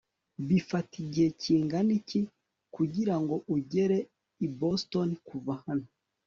bifata igihe kingana iki kugirango ugere i boston kuva hano